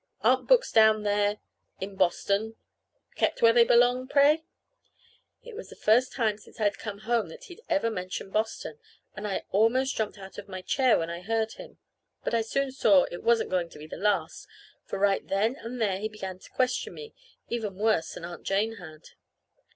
"Aren't books down there in Boston kept where they belong, pray?" It was the first time since I'd come that he'd ever mentioned Boston; and I almost jumped out of my chair when I heard him. But I soon saw it wasn't going to be the last, for right then and there he began to question me, even worse than Aunt Jane had.